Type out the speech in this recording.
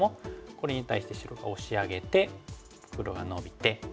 これに対して白がオシ上げて黒がノビて。